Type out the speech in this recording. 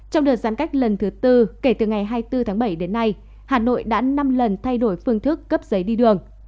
trong đợt giãn cách lần thứ tư kể từ ngày hai mươi bốn tháng bảy đến nay hà nội đã năm lần thay đổi phương thức cấp giấy đi đường